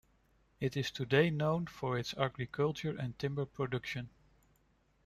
It is today known for its agriculture and timber production.